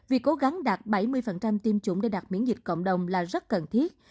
việc cố gắng đạt bảy mươi tiêm chủng để đạt miễn dịch cộng đồng là rất cần thiết